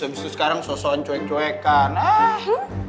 habis itu sekarang sosokan cuek cuekan